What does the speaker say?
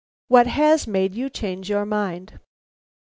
What has made you change your mind?"